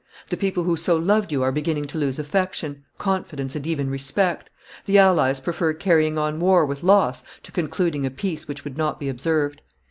"The people who so loved you are beginning to lose affection, confidence, and even respect; the allies prefer carrying on war with loss to concluding a peace which would not be observed.